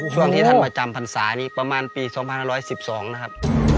ช่วงที่ท่านมาจำพรรษานี้ประมาณปี๒๑๑๒นะครับ